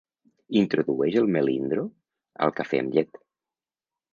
Introdueix el melindro al cafè amb llet.